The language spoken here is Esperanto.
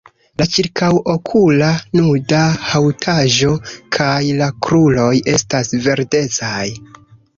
La ĉirkaŭokula nuda haŭtaĵo kaj la kruroj estas verdecaj.